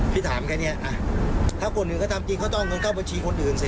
พี่ถามแค่เนี่ยถ้าคนหนึ่งก็ทำจริงก็ต้องเงินเข้าบัญชีคนอื่นสิ